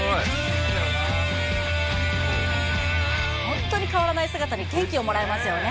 本当に変わらない姿に元気をもらえますよね。